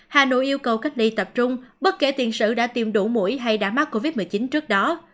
hà nội yêu cầu cách ly tập trung bất kể tiền sử đã tìm đủ mũi hay đã mắc covid một mươi chín trước đó